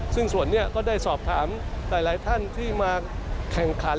ซึ่งส่วนนี้ก็ได้สอบถามหลายท่านที่มาแข่งขัน